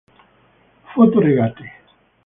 Foto regate